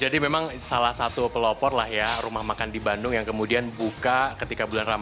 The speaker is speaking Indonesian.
jadi memang salah satu pelopor lah ya rumah makan di bandung yang kemudian buka ketika bulan ramadan ini